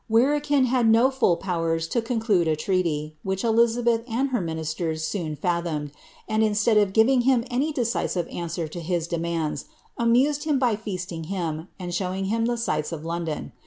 Verekin had no full powers to conclude a treaty, which Eiiabeth and her ministers soon fathomed ; and instead of giving him any decisive answer to his demands, amused him by feasting him, and showing him the sights of London.